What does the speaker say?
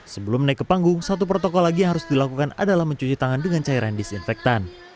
sebelum naik ke panggung satu protokol lagi yang harus dilakukan adalah mencuci tangan dengan cairan disinfektan